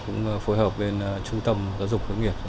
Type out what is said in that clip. cũng phối hợp với trung tâm giáo dục hướng nghiệp